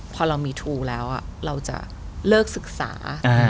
พอเรามีทูแล้วเราจะเลิกศึกษา